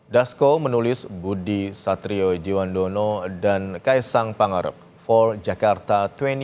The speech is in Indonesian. dasko menulis budi satrio jiwandono dan kaisang pangarep for jakarta dua ribu dua puluh